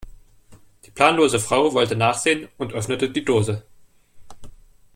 Die planlose Frau wollte nachsehen und öffnete die Dose.